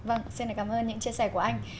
vâng xin cảm ơn những chia sẻ của anh